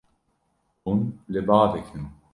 Hûn li ba dikin.